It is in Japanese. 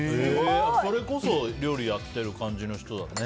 それこそ料理やっている感じの人だね。